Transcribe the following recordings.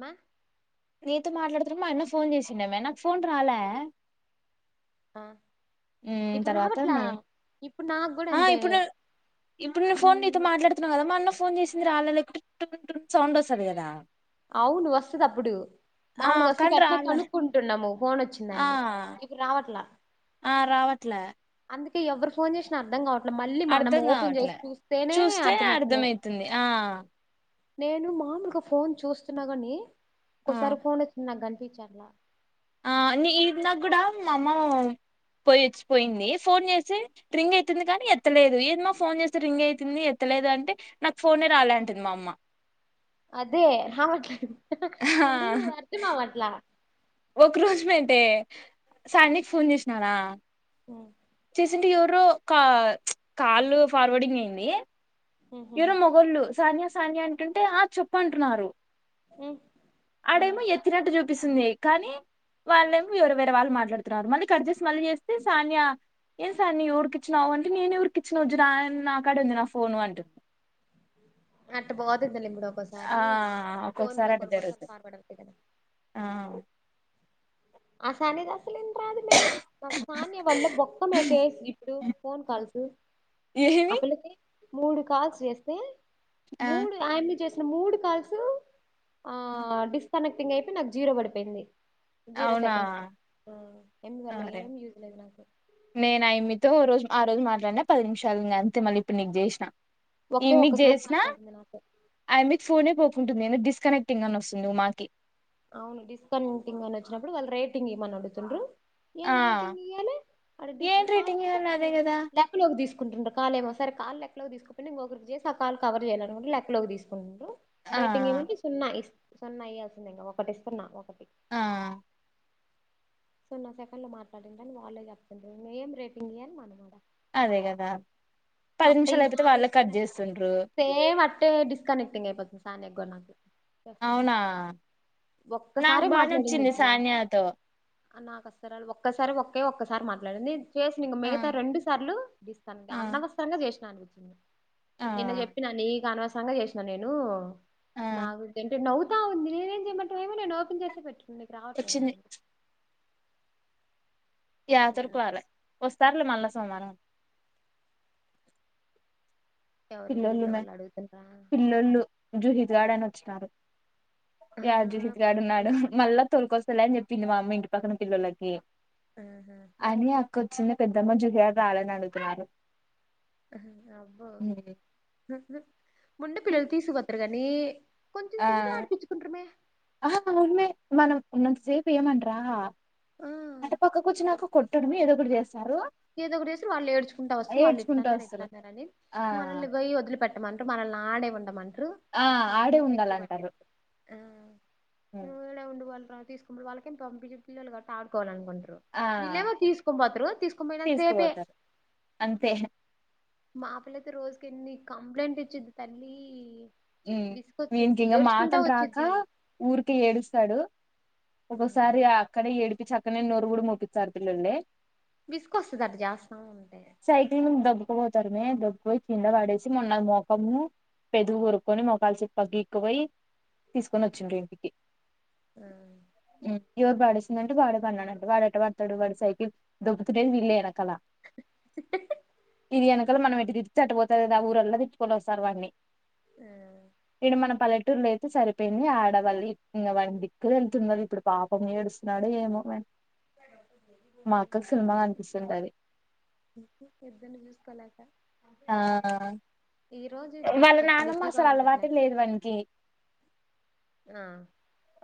మా నీతో మాట్లాడుతున్నపాటు మా ఆన్న ఫోన్ చేసిండే మే నాకు ఫోన్ రాలే ఆ ఉ ఇప్పుడు తర్వాత రావట్లా మళ ఇప్పుడు నాకు కూడా ఆ అంతే ఇప్పుడు ఇప్పుడు నేను ఫోన్ ఉమ్, నీతో మాట్లాడుతున్నా కదా మ అన్న ఫోన్ చేసి [inaudible] సౌండ్ వస్తుంది కదా అవును వస్తది అప్పుడు ఆ మాములుగా వస్తే కానీ ఆట్నే రాలే కనుక్కుంటున్నాము ఫోన్ ఆ వచ్చిందని ఇప్పుడు రావట్లా ఆ రావట్లే అందుకే ఎవరు ఫోన్ చేసిన అర్థం కావట్లే మళ్ళీ మనం అర్ధం ఓపెన్ చేసి కావట్లే చూస్తేనే చూస్తే అర్థమవుతుంది అర్థంమయితుంది ఆ నేను మామలుగా ఫోన్ చూస్తున్నా కాని ఆ ఒక సారి ఫోన్ వచ్చింది నాకు గానీ ఫీచర్లా అన్ని ఈద్ నా కూడా మా అమ్మ పోయి వచ్చిపోయింది ఫోన్ చేసి రింగ్ అయితుంది కానీ ఎత్తలేదు ఏదమ్మా ఫోన్ చేస్త రింగ్ అయితుంది ఎత్తలేదు అంటే నాకు ఫోనే రాలేంటంది మా అమ్మ అదేట్లా ఇప్పుడు అర్థమావట్లా ఒక రోజుమ అతే సాండకి ఫోన్ చేసినార రీసెంట్ ఎవరో కా కాల్ ఫార్వర్డింగ్ అయింది ఇవరు మొగళ్లు సానియా అని అంటుంటే ఆ చెప్పుంటున్నారు అడేమ ఎత్త్తినటు చు అనిప్పపిస్తుంది కానీ వాళ్ళేమి వేవర వేరే వాళ్ళ మాట్లాడుతున్నారు మళ్ళీ కట్ చేేసి మళ్ళీ చేస్తే సానియా ఏం సానియా ఎవరికి ఇచ్చినావు అంటే నేను ఎవరికి ఇచ్చినాను నా కాడే ఉంది నా ఫోను అంటుంది అట్ట బోత ఇడు ఒ ఆ ఒకసారి ఒక్కొక్కసారి కొన్డు అట్ట కొను కొనసార్ జరుగుతుంది ఫార్వర్డ్ అవుతాది కదా ఆ ఆసానిగా అసలు ఇం రాదు మే మా సానియ వాల్ల బొక్క మే కేసు ఇప్పుడు ఫోన్ కాల్స్ అ ఏమి పిల్లకి మూడు కాల్స్ చేేస్తే ఆ మూడు అసల్ మూడు కాల్స్ ఆ డిస్ కనెక్టింగ్ అయిపోయి నాకు జీరో పడిపోయింది జీరో అవునా సెకడ్ ఎందు కల అరే ఏమి యూస్ లేదు నాకు నేను అయి మీతోఓ రోజు ఆ రోజు మాట్లాడినా పది నిమిషాలు ఇ అంతే మళ్ళ ఇప్పుడు నీకు చేసినా ఈ ఒకే మీకు ఒక్క కాల్ చేసిన మాట్లాడింది నాతో మీకు ఫోనే పో నేను డిస్కనెక్టింగ్ అని వస్తుంది మాకి అవును డిస్కౌంంటింగ్ అని వచ్చినప్పుడు వాళ్ళ రేటింగ్ ఇమని అడుగుతుండ్రు ఏం ఆ రేటింగ్ ఇయ్యాలి వాడ ఏంటి కాలు రేటింగ్ ఏమో ఇవ్వాలి అదే కదా లెక్కలోకి తీసుకుంటుండారు కాలు ఏమో సరే కాలు లెక్క కి తీసుకుపోని ఇంకొకలకి చేసి ఆ కాలు కవర్ చేయాలనుకు లెక్క లోకి తీసుకుండి ఆ డేటింగ్ ఏమంటడి సున్నా ఇ సున్నా అయ్యాల్సింది టిస్తున్నా ఒక ఆ సున్నా సెకండ్ లో మాట్లాడిందని వాళ్ళే చెప్తుంట ఏం రేపింగ్ అ అనమాట అదే కదా పది ఈ నిమిషాలు అయిపోతే వాళ్ళు కట్ చేస్తుండ్రు డిస్కనెక్ట్ంగ్ అయిపోతుంది సానియాకి కుడా నాకు చేస్తుంటే అవునా నాకు ఒక్కసారే బాగా నచ్చింది సానియాతో నాకుస్తరా ఒక్కసారి ఒక్కే ఒక్కసారి మాట్లాడింది చేసిన ఆ మిగతా రెండు సార్లు తనకి ఆ అనవసరంగా చేసినాను ఆ [inaudible] నిన్న చెప్పినా నీకు అనవ సంగా చేసినాను నేను ఆ నాకొద్దు అంటే నవు అ ఉంది నేనేం చేయమంటావ్ నేను ఓపెన్ చేసే పెట్ను నేను రావట్లేదు అంట వచ్చింది నేను యాతరుకురాలే వస్తా మళ్ళ సోమవారం ఎవరు పిల్లోళ్ళు ఊర్ల వాళ్ళ అడుగుతుండ జుహీద్ గార్డెన్ వచ్చినాను యజుహత్గాడు నాడు మళ్ళా తణుకు వస్తా లని చెప్పింది మామ్మ ఇంటి పక్కన పిల్లలకి ఆహా అని వచ్చింది పెద్దమ్మ జుహయార్ రాలని అడుగుతున్నారు అవు ముంట పిల్లు తీసు పత్రక నీ ఆ ఆ ఉమె మనం ఉన్నత సేపు ఏయమంటరా ఆ అటు పక్క కూర్చున్నక కొట్టడము ఏదో ఒకటి చేస్తా ఏదో ఒకటేసి వాళ్ళు ఏడ్చుకుంటా వస్తు వాళ్ళు ఏడ్చుకుంటూ ఇన్నారు వస్తారు ఇన్నారురని ఆ మనల్ని గయి వదిలిపెట్ట అంటూ మన నా ఆడే ఉండమంట ఆ ఆడే మనం పిచ్చు ఉండాలంటారు పట్టు ఆ ఏడ ఉం బల్ రా తీసుకుంట వాళ్ళకి తొమిదిలు గట్ట ఆడుకోవాలనుంటడి ఆ బిల్లు ఏమో తీసుకోమంటారు తీసుకున్న తీసుకుపోతారు అంతే మా పిల్ల అయితే రోజుకి ఎన్ని కంప్లైంట్ ఇచ్చిది తల్లి వీకి విసుకొచ్చిద్ది ఇంకా ఏడ్చుకుంటా మాటలు రాక వచ్చిద్ది ఊరికే ఏడుస్తాడు ఒకసారి ఆ అక్కడ ఎడు ఇ చక్కనే నోరు కూడా మోపిస్తారు పిల్లలే విసుకొస్తుందిట జాస్తాం ఉంటే ఎక్కుపోతారుమే దొపోయి కింద పడేసి మొన్న మోఖము పెదగు కొరుక్కకుని మఖలుసి ప్ గక్కుపోయి ఆ తీసుకొని వచ్చిండ్రు ఇంటికి ఆ ఎవరు వాాడేస్తుందంటే వాడే పడిన్నాడుంటే వాడట పడతాడు వాడి సైకి దతుటేది ఇల్కలా ఇదికు మనం ఇటు తిట్టకపోతే కదా ఊరల్లా తిుకొనిస్త వాడిని ఇడు మన పలెట్ పట్టూర్లు అయితే సరిపోయింది ఆడవాళ్ళ వా దిక్కులు న్నది ఇప్పుడు పాపం ఏడుస్తున్నాడు ఏమో మా అక్కకు సినిమా కనిపిస్తుంటది ఎద్దని స్ కలాక ఆ బిజీ వాళ్ళ కొంచెం నానమ్మ బిజీగా అసలు అలవాట ఉంటారులే లేదు వానకి ఆ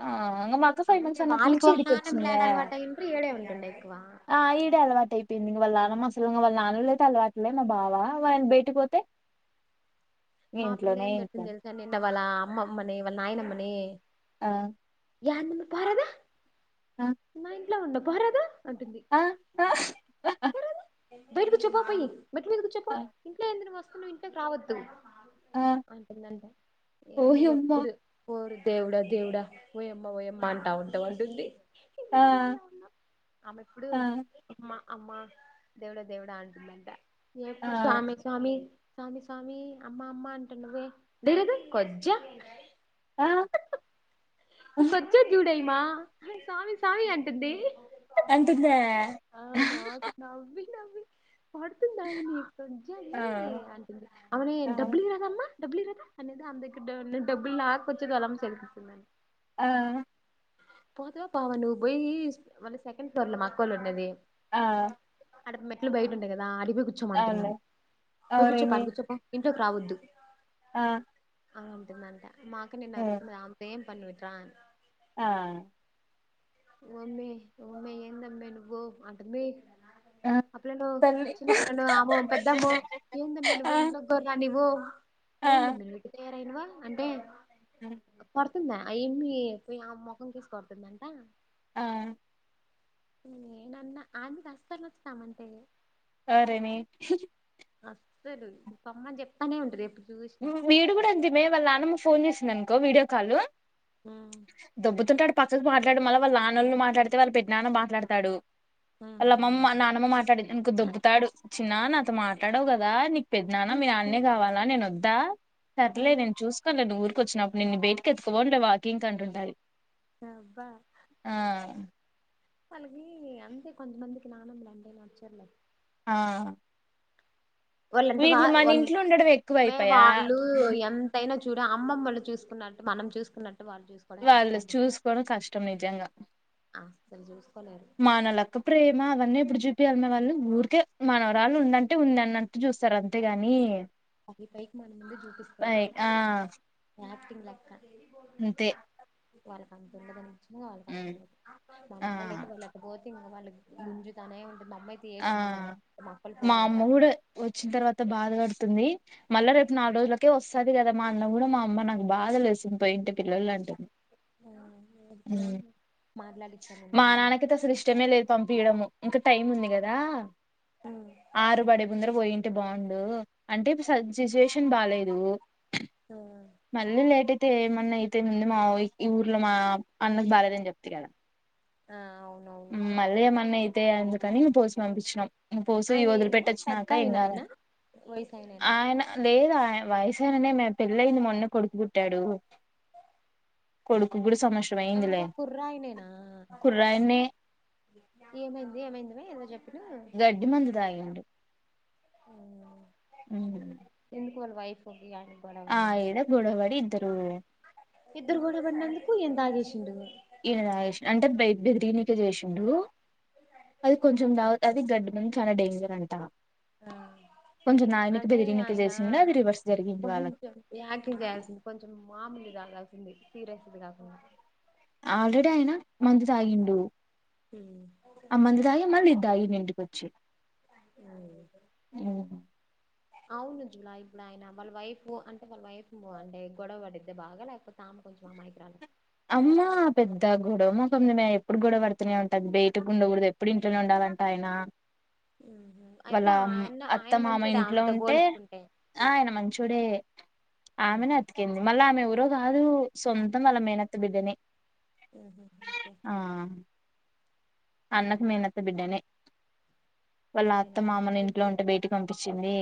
ఆ మక్క ఫైవ్ మంత్స్ అవునే అన్నప్ప వాళ్ళకి నుంచిద అ వాళ్ళ ఇడ నానమ్మ వచ్చింద యాడ అలవాటు అయ్యిండ్రు ఈడే ఉంటుండే ఎక్కువ ఆ ఈడ అలవాటు అయిపోయింది ఇ వాళ్ళ నానమ్మ అసలు ఇ వాళ్ళ నాను లేతే అలవాట్లే మా బావ ఆయన బయటి పోతే మా పిల్ల ఇంట్లోనే ఏం జట్తుంది ఇంట్లోనే తెలుసా నిన్నవళ్ళ అమ్మమ్మనీ వాళ్ళ నాయనమ్మనీ ఆ యందరు పదా ఆ [unintelligible] లేకుండా పారాదు ఆ బయట కూర్చో పొ పోయి మెట్ల మీద కూర్చోపో ఆ ఇంట్లో ఏంది నువ్వు నువ్వు ఇంట్లోకి రావద్దు ఆ అంటుందంట ఏంది ఓయమ్మ ఎప్పుడు పోరు దేవుడా దేవుడా ఓయమ్మ ఓయమ్మ అంటా ఉంటే ఏమంటుంది ఆ నేను బోన్లో ఉన్నా ఆమె ఎప్పుడు ఆ మా అమ్మా దేవుడా దేవుడా అంటుందంట ఆ ఎప్పుడు స్వామి స్వామి స్వామి స్వామి అమ్మా అమ్మ అంటున్నవే దెరివి కొజ్జా ఆ ఈ కొజ్జం జూడే మా స్వామి స్వామి అంటుంది అంటుందే ఆ నాక్ నవ్వి నవ్వి పడుతుందా అవుని [unintelligible] కొజ్జా దీ ఆ అంటుంది. ఆ అరిడబ్బులిరాదమా. డబ్బులు ఇయిరాదు. అనేద్ అం ద డా [unintelligible] దగ్గర డబ్బులు లాకోచ్చి వాళ్ళమ్మ చేతికిచ్చిందంట ఆ పోతవ పోవ నువ్వు పోయి మళ్ళ సెకండ్ ఫ్లోర్ లో మాక్కోళ్ళు ఉండేది. ఆ అడ మెట్లు బయట ఉంటాయి. కదా అడ్ పోయి కూర్చో మంట్ అన్. అవును పోయి కూర్చో పో ఆడ అవురేమి కూర్చో పో ఇ ఇంట్లోకి రావోద్దు ఆ అ అంటుంద్ అంట మాక్క నిన్న ఉమ్ అరుస్తుంది ఆమ్ పెమ్ పండు ఇటు రా అని ఆ ఓమ్మె ఓమ్మె ఎందమే నువ్వు అంటుంది ఆ పిల్లల్లు తల్లి చిన్న పిల్లల్లు అమో పెద్దమ్మో ఏందమయి ఆ నువ్వు ఇంట్లో కూడా రానివ్వు ఆ ఏందమయి నువ్వు ఇట్లా తయారయినవు. అంటే ఉమ్ తుందా [unintelligible] ఆ ఏమి పోయి ఆ ముఖం కేస్ కొడుతుందంట ఆ నేనన్న ఆమ్ వస్తారు [unintelligible] ముస్తమంటే ఆరే నీ హీ అసలు పొమ్ అని చెప్పతానే ఉంటది ఎప్ ఊమ్ వీడు కూడా అంతే మే వాళ్ళ నానమ్మ ఫోన్ చేసిందన్ కో విడియో కాలు దోబ్బుతుంటాడు పచాక్ మాట్లాడి మళ్ళ వాళ్ళ నానలు మాట్లాడితే వాళ్ళ పెద్ నాన్న మాట్లాతాడు అళ్ అమ్మమ్మ నానమ్మ మాట్లాదిండ్ అనుకో దోబ్బుతాడు నాన్నా నాతో మాట్లాడవు కదా నిప్ పెద్ నాన్న మీ నాన్నే కావాలా నేను వద్ ఆ సర్లే నేను చూసుకోలేన్ నువ్ ఊర్ కోచ్చినవ్ అప్ నిన్ బెటుకేత్ పో ఫోన్ లో వాకింగ్ అంటుంటాది అబ్బా అహ్ వాళ్ళకి అంతే కొంత్ మందికి నాన్నమలు అంటే నచ్చర్లే ఆ వాలెంత వా వీళ్ళు మన వాళ్ ఇంట్లో ఉండడం ఎక్కువ మ్య అయిపోయా వాళ్ళు ఎంతైనా చూడ అమ్మమ్మ లు చూకున్నట్టు మనం చూసుకునట్ వాళ్ళు చూసుకోవడం కష్టం నిజంగా చూస్ మాన లక్క ప్రేమ అవన్నీ ఇప్పుడు జి అన్న వాళ్ళు ఊరికే మానవరాళు ఉందంటే ఉందిన్న ట్టుగ చూస్తారు అంతేగాని పైకి మన ముందే చూపిస్తారు ఆ ఆక్టింగ్ లక్క అంతే వాళ్ళకంతుం డదని వాళ్ళ ఉమ్ పంతలు మన ఆ అమ్మలఅయితే వాళ్ళుకపోద్తే వాళ్ళకి గుంజుతనే ఆ మా పోయినాక అమ్మ కూడా వచ్చిన తర్వాత బాధపడుతుంది మళ్ళ రేపు నాలుగు రోజులకే వస్తుది కదా మా అన్న కూడా మా అమ్మ నాకు బాధ లేసి పోయింటి పిల్లలు అంటి ఆ ఏడిస్తే ఉమ్ మాట్లాడిచ్చాను నేను మా మళ్ళీ నాన్నకితే అసలు ఇష్టమే లేదు పంపియాడము ఇంకా టైం ఉంది దా ఆరు బడే ముందర పోయిం తే బాగుండు అంటే ఇప్పు స సిచ్యుయేషన్ బాలేదు మళ్ళీ లేటయితే అన్న అయితే ముంది మా ఈ ఊర్లో మా అన్నకు బాలేదని చెప్తి కదా ఆ అవునవును మళ్ళీ బాలేదా ఏమన్నా అయితే అందుకని పోసి పంపిచ్ నఁ పోసి ఆయన ఏంది పెద్ద వదిలిపెట్టొచ్చినాక ఏం ఆయన ఆయన కాదని వయసు ఆయనేనా ఆయన లేదు ఆయన వయసాయిననే మే పెళ్ళయింది మొన్నే కొడుకు పుట్టాడు కొడుకు గుడు అంటే కుర్రాయినేనా కుర్రాయనే ఏమైంది ఏమైంది మే ఏదో చెప్ గడ్డి మందుదాగిండు ఆ ఉం వాళ్ళ వైఫ్ గొడవడి ఇద్దరు ఇద్దరు గోడబడిందుకు ఈందాగేష్ గొడవ ఈనే దాగెస్ అంటే బ బెదిరియనీకె చేసిండు అది కొంచం ద అదే గడ్డి మం చానా డేంజర్ అంట ఆ కొంచెం తాగనీకి అంటే బెదిరినీకే ఆయన చేసిండు అది రివర్స్ జరిగింది వాళ్ళకి కొంచెం యాక్టింగ్ చేయాల్సింది కొంచెం మామూలు తగాల్సింది సీరసది కాకుండా ఆల్రెడీ అయినా మందు తాగిండు అ మందు తాగి మళ్ళీ ఇద్దగిండు ఇంటికొచ్చి అవును జులాయి గులాయినా వాళ్ళ వైఫ్ అంటే వాళ్ళ వైఫ్ అంటే గొడవ పడిద్దే బాగా లేకపోతే ఆమె కొంచెం అమాయికిరాల అమ్మా పెద్ద గొడవ మా ఎప్పుడు గొడవ పడుతూనే ఉంటంది బయట గుండకూడదు ఎప్పుడు ఇంట్లోనే ఉండాలంట ఆయన అయితే వాళ్ళ ఆయన అత్త ఆయన మామ మంచోడే ఇంట్లో ఆమెతో ఉంటే పోల్చుకుంటే ఆ ఆయన మంచుడే ఆమెనే అతికింది మళ్ళీ ఆమె ఊరో కాదు సొంతం వాల మేనత్త త్త బిడ్డని ఓకే ఆ అన్నకు మేన్నత్త బిడ్డనే వాళ్ళ ఆయన అత్త మామని ఇంట్లో ఉంటే బయటికి పంపించింది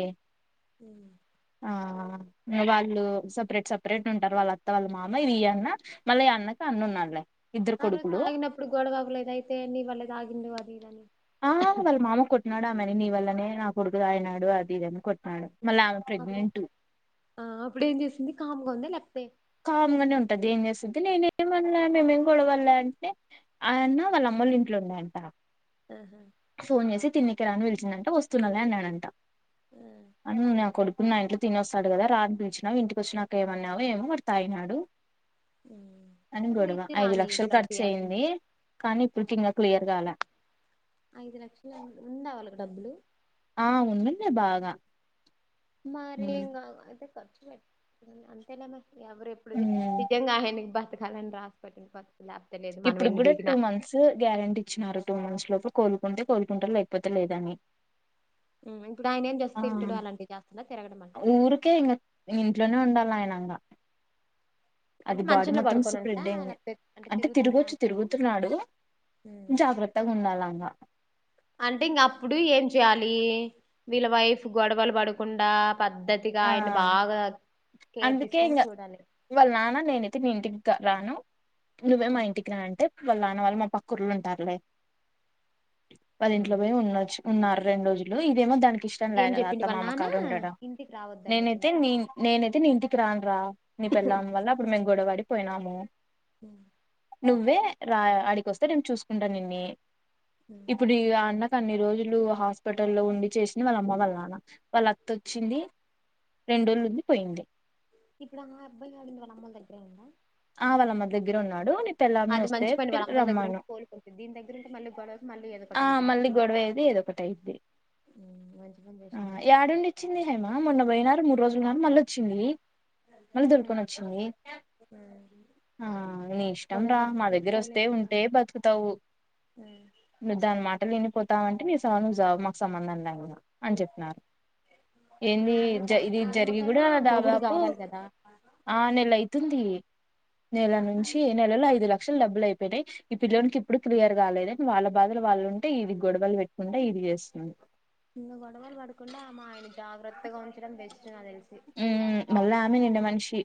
ఊ ఆ ఇగ వాళ్ళు సపరేట్ సపరేట్ ఉంటారు వాళ్ళ అత్త వాళ్ళ మామ ఇవి అన్న మళ్ళీ అన్నకి అన్నున్నాళ్లే ఆ రోజు తాగినప్పుడు గొడవ అవ్వలేదు అయితే నీవల్ల తగిండు అదీదని ఆ వల్ల మామ కొట్నాడు ఆమేని నీ వల్లా నే నా కొడుకుదాగినాడు అది ఇదీదని కొ అప్పుడే ఆ అప్పుడేం చేసింది కామ్గా ఉందా లే తే కామ్గానే ఉంటుది ఏం చేస్తుంది నేను ఏమన్లే మేమేం గోడవా పడలే అంటే ఆయన్న వాళ్ళ అమ్మలు ఇంట్లో ఉండంట ఆహా ఫోన్ చేసి తిన్నెకి రాని పిలిచిందంట వస్తున్నలె అన్నాడంట ఆ అన్న న కొడు నా ఇంట్లో తిననోస్తాడు కదా రా ఆని పిలిచినావ్ ఇంటికి వచ్చిన నాక ఏమ అన్నావో ఏమో వాడి తాగి నాడు అని ఉమ్, మీ గొడవ ఇచ్చి ఐదు రాని లక్షలు ఖర్చు అయంది పంపియాల్సింది కానీ ఇప్పుడుకి ఇంకా క్లియర్ గాలే ఐదు లక్షలు అం ఉందవలకు డబ్బులు ఆ ఉందండి బాగా మరెం ఉమ్, గవలె ఖర్చు వెట్ ఊ అంతే లే మరీ ఎవరేప్పుడు ది ఉమ్. నిజంగా ఆయనకి బ కాల రాసిపెట్ [unintelligible] ఇప్పుడు కూడా టూ మంత్స్ గ్యారెంటీ ఇచ్చినారు టూ మంత్స్ లోపు కోలుకుంటే కోలుకుంటారు లేకపోతే లేదని ఉ ఇప్పుడు ఆయన ఏం జస్ట్ ఆ తిన్టుడు అలాంటివి చేస్తడా తిరగడం అంటే ఊరికే ఇంగ ఇంట్లోనే ఉండాలి ఆయనంగా అది అంటే బాడీ మంచంలో మొత్తం పడుకోనంట స్ప్రెడ్ అయింది లేకపోతే అంటే తిరుగుతుంటా తిరగొచ్చు అంట తిరుగుతున్నాడు జాగ్రత్తగా ఉండాల ఇంగ అంటే ఇంక అప్పుడు ఏం చెయాలి వీళ్ళ వైఫ్ గొడవలు పడకుండా పద్ధతిగా ఆ ఆయన బాగా కేర్ అందుకే తీసుకొని ఇంగ చూడాలి వాళ్ళ నాన్న నేనైతే మీ ఇంటికి గ రాను నువ్వే మా ఇంటికి రా అంటే వాళ్ళ నాన వాళ్ళు మా పక్క ఊర్లో ఉంటారులే ఆ వాళ్ళింట్లో పోయి ఉండొచ్చు ఉన్నారు రెండు రోజులు ఇదేమో దానికి ఇష్టం లే ఏం కదా చెప్పిండు అత్త వాళ్ళ మామ నానా కాడ ఉండడం ఇంటికి రావద్దు నేనైతే నీ నేనైతే నీ ఇంటికి రాను రా నీ పెల్లాం వళ్ళ ఇప్పుడు మేము గోడవపడి పోయినాము అ నువ్వే రా ఆడికి వస్తే నేను చూసుకుంటా నిన్ని ఇప్పుడు ఇక అన్నకు అన్ని రోజులు హాస్పిటల్లో ఉండి చేసింది వాళ్ళమ్మ వాళ్ళ నాన్న వాళ్ళ అత్త వచ్చింది రెండు రోజులు ఉంది పోయింది ఇప్పుడు ఆ అబ్బాయి యాడున్నాడు వాళ్ళ అమ్మోళ్ల దగ్గర ఆ వాళ్ళఅమ్మోళ్ల దగ్గర ఉన్నాడు అది పెళ్ళామొస్తే మంచి పని వాళ్ళ అమ్మోళ్ళ దగ్గర రమ్మను ఉంటే కోలుకుంటది దీని దగ్గర ఉంటే మళ్ళీ గొడవకి మళ్ళీ ఏదో ఒకటి ఆ అయితది మళ్ళీ గొడవఅయ్యిద్ది ఏదో ఒకటి అయ్యిద్ది మంచి పని చేసింది యాడుండిచ్చింది హేమ మొన్న పొయి ూ రోు మళ [unintelligible] వచ్చింది మళ్ళీ దొడుకొని వచ్చింది ఆ నీ ఇష్టం గొడవ రా మా పడుతుంది దగ్గర వస్తే సైలెంట్ గా ఉంటే బతుకుతావు నువ్వు దాని మాటలు విని పోతామంటే నీ సావు నువ్వు సావు మాకు సంబంధం లే ఇంక అని చెప్పినారు ఏంది ఏమని ఇది జరిగి ఏమకైనా కూడా మొగుడు దాదాపు కావాలి కదా ఆ నెల అయితుంది నెల నుంచి నెలలో ఐదు లక్ష లక్షలు డబ్బులు అయిపోయినాయి ఈ పిల్లోని కి ఇప్పుడు క్లియర్ కాలేదు అని వాళ్ళ బాధలు వాళ్ళుంటే ఇది గొడవలు పెట్టుకుంట ఇది చేస్తుంది ఇంగ గొడవలు పడకుండా మా ఆయన జాగ్రత్తగా ఉంచడం బెస్ట్ నాకు తెలిసి మ్మ్ మళ్ళా ఆమె నిండు మన్ షి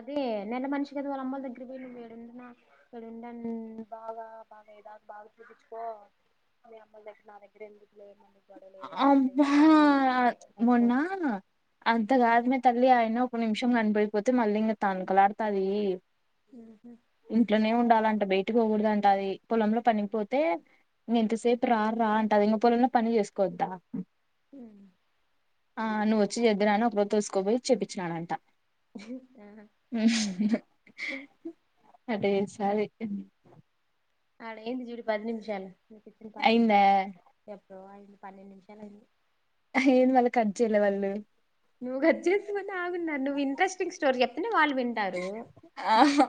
అదే నిన్న మనిషి కదా వాళ్ళ అమ్మోల్ల దగ్గర పోయి నువ్వు ఈడున్న ఈడుండను బాగా బాగాలేదా బాగా చూపించుకో మీ అమ్మోల్ల దగ్గర నా దగ్గర ఎందుకు లే మళ్ళీ గొడవలు ఏదైనా అవుతాయి అబ్బ అది మొన్న అంత కాదు మే తల్లి ఆయన్న ఒక నిమిషం కనపడికపోతే మళ్ళీ ఇంగా తనకలాడుతాది ఉహు ఇంట్లోనే ఉండాలన్ ట్ట బయటకి పోకూడదు అంటది పొలంలో పనికిపోతే ఇంక ఎంతసేపు రా రా అంటది ఇంగ పొలంలో పని చేస్ కొద్ద మ్మ్ ఆ నువ్వు వచ్చి చేద్దువుర అని ఒకరోజు తూసుకోపోయి చెపిచ్చినాడంట ఆహా ఎట్ట చేస్ సా చెప్పింది ఆడ అయింది జూడు పది నిమిషాలు నువ్వు చెప్పిన పది అయిందా నిమిషాలు ఎప్పుడో అయింది పన్నెండు నిమిషాల అయింది ఏంది మళ్ళ కట్ చేయల వాళ్ళు నువ్వు కట్ చేస్తావని ఆగున్నాను ఇంట్రెస్టింగ్ స్టోరీ చెప్తేనే వాళు వింటారు ఆహా